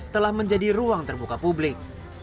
telah menjadi ruang terbuka publik